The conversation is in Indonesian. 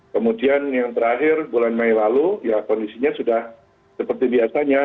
kemudian yang terakhir bulan mei lalu ya kondisinya sudah seperti biasanya